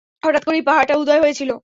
হঠাৎ করেই পাহাড়টা উদয় হয়েছিল।